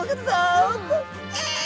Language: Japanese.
「えい！」